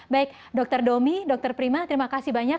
baik dokter domi dr prima terima kasih banyak